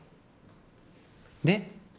で？